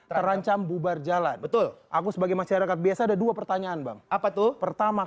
terancam bubar jalan betul aku sebagai masyarakat biasa ada dua pertanyaan bang apa tuh pertama